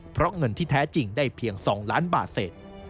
เพราะเงินที่แท้จริงได้เพียง๒ล้านบาทเศษ